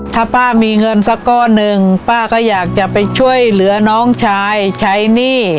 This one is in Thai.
ถ้าป้ามีเงินสักก้อนหนึ่งป้าก็อยากจะไปช่วยเหลือน้องชายใช้หนี้